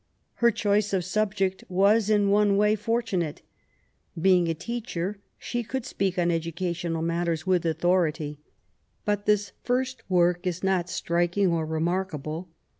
Her choice of subject was, in one way, fortunate. Being a teacher she could speak on educa tional matters with authority. But this first work is not striking or remarkable.